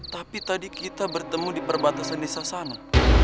tapi tadi kita bertemu di perbatasan desa sana